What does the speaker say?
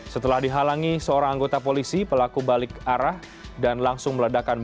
setelah dihalangi seorang anggota polisi pelaku balik arah dan langsung meledakan